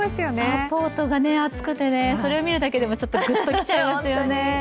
サポートが厚くて、それを見るだけでもぐっときちゃいますね。